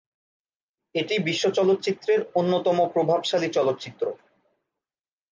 এটি বিশ্ব চলচ্চিত্রের অন্যতম প্রভাবশালী চলচ্চিত্র।